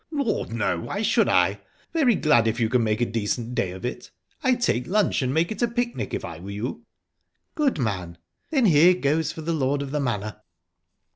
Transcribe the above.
"Lord, no! why should I? Very glad if you can make a decent day of it. I'd take lunch and make it a picnic, if I were you." "Good man!...Then here goes for the lord of the manor!..."